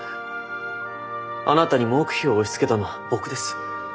あなたに黙秘を押しつけたのは僕です。